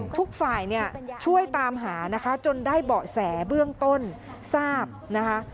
ทุกฝ่ายช่วยตามหาจนได้เบาะแสเบื้องต้นทราบนะคะ